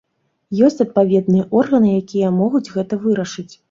Ёсць адпаведныя органы, якія могуць гэта вырашыць.